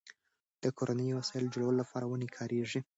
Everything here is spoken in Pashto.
د کورنیو وسایلو جوړولو لپاره ونې کارېږي.